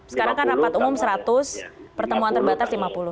sekarang kan rapat umum seratus pertemuan terbatas lima puluh